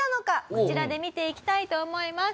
こちらで見ていきたいと思います。